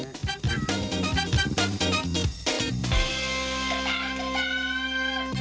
จะเป็นกันได้ไหม